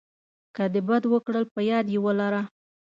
که د بد وکړل په یاد یې ولره .